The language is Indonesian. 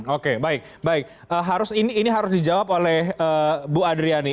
oke baik baik ini harus dijawab oleh bu adriani